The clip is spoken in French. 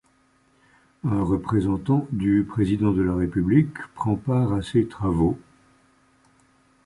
Un représentant du président de la République prend part à ses travaux.